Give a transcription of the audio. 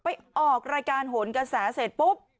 ออกรายการโหนกระแสเสร็จปุ๊บ